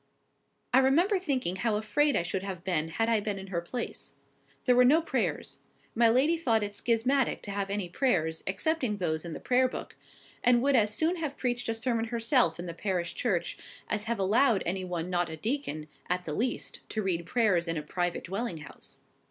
I remember thinking how afraid I should have been had I been in her place. There were no prayers. My lady thought it schismatic to have any prayers excepting those in the Prayer book; and would as soon have preached a sermon herself in the parish church, as have allowed any one not a deacon at the least to read prayers in a private dwelling house.